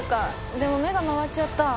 でも目が回っちゃった。